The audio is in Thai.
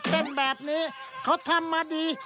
เป็นแบบนี้เขาทำมาดี